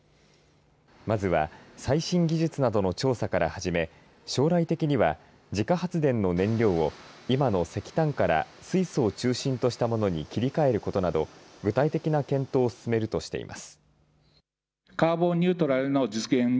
まずは最新技術などの調査から始め将来的には自家発電の燃料を今の石炭から水素を中心としたものに切り替えることなど具体的な検討を進めるとしています。